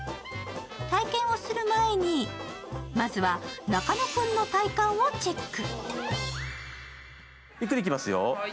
体験をする前にまずは中野君の体幹をチェック。